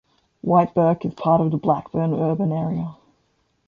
Whitebirk is part of the Blackburn urban area.